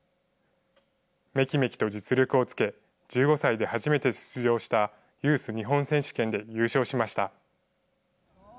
めきめきと実力をつけ、１５歳で初めて出場したユース日本選手権で優勝しました。